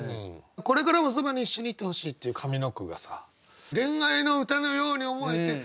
「これからも傍に一緒に居て欲しい」っていう上の句がさ恋愛の歌のように思えて。